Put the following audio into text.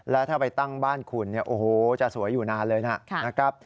และถ้าไปตั้งบ้านคุณจะสวยอยู่นานเลยนะ